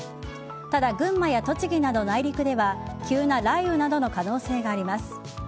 ただ、群馬や栃木など内陸では急な雷雨などの可能性があります。